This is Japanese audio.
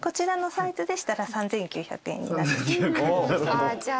ああじゃあ。